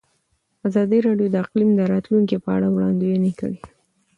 ازادي راډیو د اقلیم د راتلونکې په اړه وړاندوینې کړې.